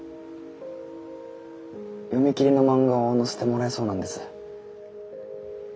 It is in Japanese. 読み切りの漫画を載せてもらえそうなんです。